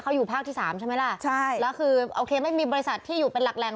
เขาอยู่ภาคที่สามใช่ไหมล่ะใช่แล้วคือโอเคไม่มีบริษัทที่อยู่เป็นหลักแหล่ง